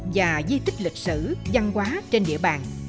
và di tích lịch sử văn hóa trên địa bàn